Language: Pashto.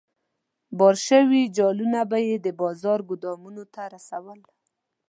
بار شوي جوالونه به یې د بازار ګودامونو ته رسول.